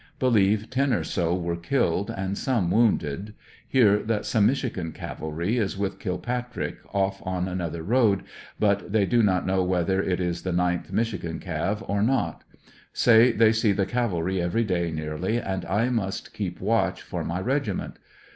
Believe ten or so were killed, and some w^ounded. Hear that some Michigan cavalry is with Kilpatrick off on another road, but they do not know whether it is the 9th Mich. Cav. , or not. Say they see the cavalry every day nearly, and I must heep watch for my regiment.